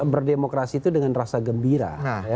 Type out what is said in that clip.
berdemokrasi itu dengan rasa gembira